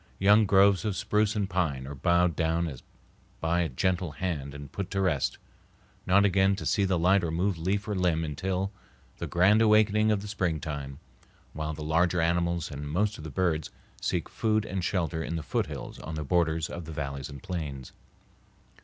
Young groves of spruce and pine are bowed down as by a gentle hand and put to rest, not again to see the light or move leaf or limb until the grand awakening of the springtime, while the larger animals and most of the birds seek food and shelter in the foothills on the borders of the valleys and plains.